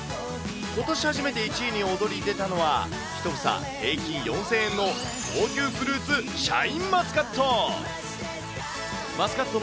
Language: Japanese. ことし初めて１位に躍り出たのは、１房平均４０００円の高級フルーツ、シャインマスカット。